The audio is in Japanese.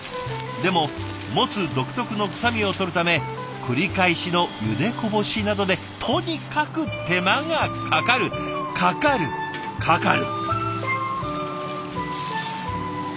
でもモツ独特の臭みを取るため繰り返しのゆでこぼしなどでとにかく手間がかかるかかるかかる！